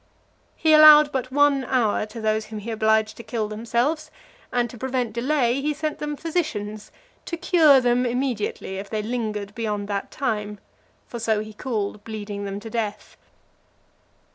He allowed but one hour to those whom he obliged to kill themselves; and, to prevent delay, he sent them physicians "to cure them immediately, if they lingered beyond that time;" for so he called bleeding them to death.